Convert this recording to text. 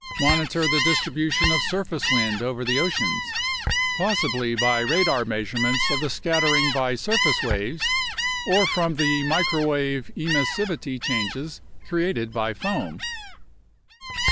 Monitor the distribution of surface wind over the oceans, possibly by radar measurements of the scattering by surface waves or from the microwave emissivity changes created by foam.